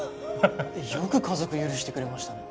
よく家族許してくれましたね。